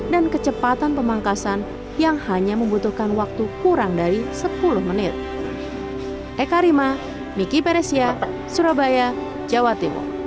dan kecepatan pemangkasan yang hanya membutuhkan waktu kurang dari sepuluh menit